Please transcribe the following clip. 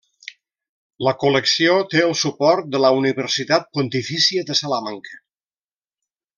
La col·lecció té el suport de la Universitat Pontifícia de Salamanca.